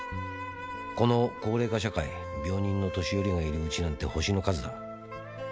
「この高齢化社会病人の年寄りがいるうちなんて星の数だ。